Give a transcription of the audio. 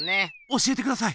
教えてください！